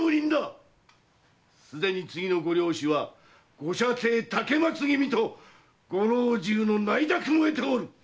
すでに次のご領主はご舎弟・竹松君とご老中の内諾も得ておる！